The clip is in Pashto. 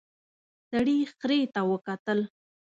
سړي خرې ته وکتل.